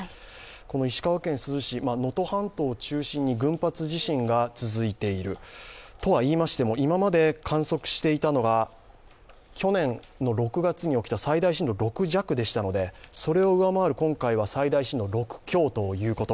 この石川県珠洲市能登半島を中心に群発地震が続いているとはいいましても、今まで観測していたのが去年の６月に起きた最大震度６弱でしたので、それを上回る今回は最大震度６強ということ